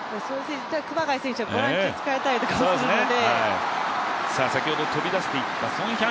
熊谷選手はボランチに使えたりもするので。